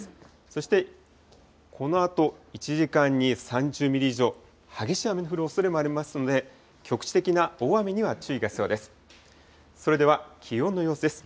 そしてこのあと１時間に３０ミリ以上、激しい雨の降るおそれもありますので、局地的な大雨には注意が必要です。